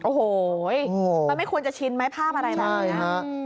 โอ้โหมันไม่ควรจะชินไหมภาพอะไรแบบนี้